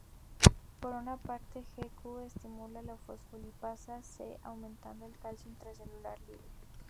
Por una parte, Gq estimula la fosfolipasa C, aumentando el calcio intracelular libre.